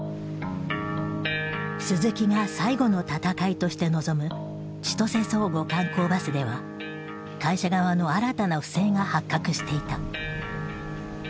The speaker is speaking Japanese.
鈴木が最後の闘いとして臨む千歳相互観光バスでは会社側の新たな不正が発覚していた。